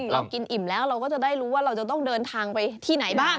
เรากินอิ่มแล้วเราก็จะได้รู้ว่าเราจะต้องเดินทางไปที่ไหนบ้าง